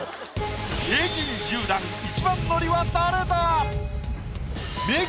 名人１０段一番乗りは誰だ？